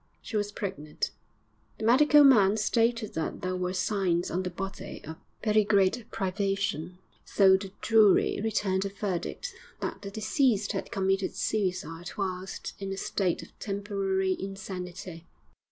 She was pregnant. The medical man stated that there were signs on the body of very great privation, so the jury returned a verdict that the deceased had committed suicide whilst in a state of temporary insanity!